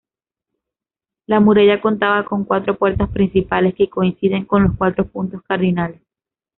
La muralla contaba con cuatro puertas principales, que coinciden con los cuatro puntos cardinales.